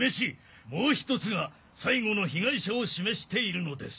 もう１つが最後の被害者を示しているのです。